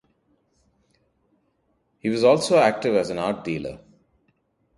He was also active as an art dealer.